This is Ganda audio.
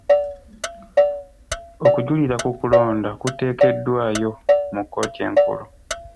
Okujulira ku kulonda kuteekeddwayo mu kkooti enkulu.